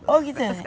oh gitu ya